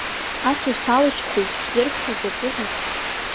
Ацәа салышәхуеит, шәзырҳәҳәо закәызеи?